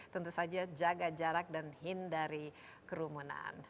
tentu saja jaga jarak dan hindari kerumunan